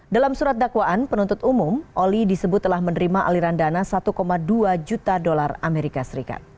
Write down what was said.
dalam surat dakwaan penuntut umum oli disebut telah menerima aliran dana satu dua juta dolar as